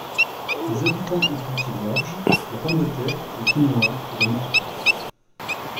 Les habitants y cultivent l'orge, la pomme de terre, le quinoa et le maca.